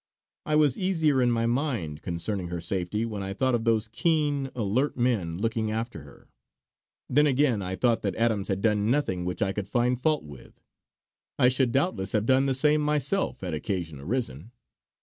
I was easier in my mind concerning her safety when I thought of those keen, alert men looking after her. Then again I thought that Adams had done nothing which I could find fault with. I should doubtless have done the same myself had occasion arisen.